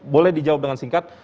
boleh dijawab dengan singkat